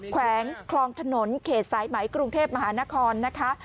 แขวงคลองถนนเขตสายไหมกรุงเทพมหานครนะคะ